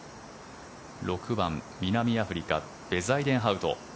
６番、南アフリカのベザイデンハウト。